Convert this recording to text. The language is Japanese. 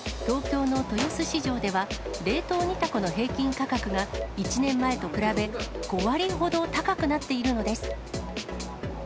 東京の豊洲市場では、冷凍煮タコの平均価格が、１年前と比べ、５割ほど高くなっているのです。